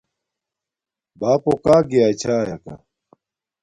بݳپݸ کݳ گیݳئی چھݳئَکݳ؟